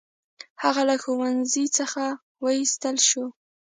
هغه له ښوونځي څخه وایستل شو.